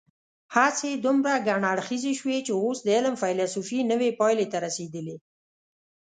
هڅې دومره ګڼ اړخیزې شوي چې اوس د علم فېلسوفي نوې پایلې ته رسېدلې.